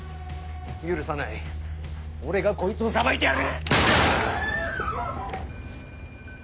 許さない俺がこいつを裁いてやる！